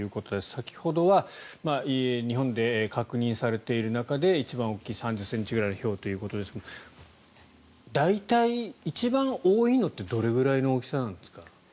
先ほどは日本で確認されている中で一番大きい３０ｃｍぐらいのひょうということですが大体、一番多いのってどのくらいの大きさなんですか？